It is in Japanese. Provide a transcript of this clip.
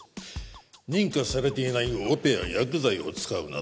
認可されていないオペや薬剤を使うなど